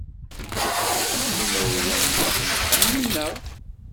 Imawlan-nsent ḥemmlen-aɣ.